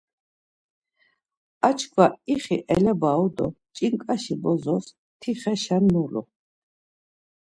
Ar çkva ixi elabaru do ç̌inǩaşi bozos ti xeşen nulu.